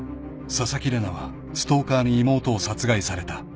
［紗崎玲奈はストーカーに妹を殺害された］